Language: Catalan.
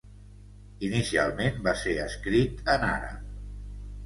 Inicialment va ser escrit en àrab.